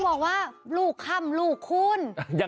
หลับสบาย